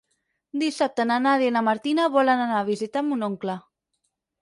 Dissabte na Nàdia i na Martina volen anar a visitar mon oncle.